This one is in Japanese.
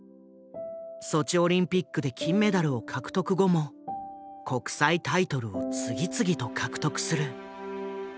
ソチオリンピックで金メダルを獲得後も国際タイトルを次々と獲得する。